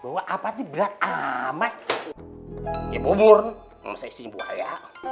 bawa apa sih berat amat ya bubur mesti buaya